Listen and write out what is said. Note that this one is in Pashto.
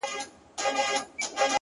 o ستا تر ځوانۍ بلا گردان سمه زه؛